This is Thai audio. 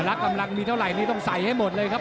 อัลลักษณ์อัลลักษณ์มีเท่าไหร่ต้องใส่ให้หมดเลยครับ